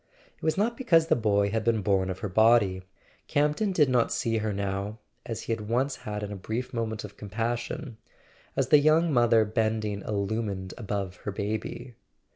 It was not be¬ cause the boy had been born of her body: Campton did not see her now, as he once bad in a brief moment [ 421 ] A SON AT THE FRONT of compassion, as the young mother bending illumined above her baby.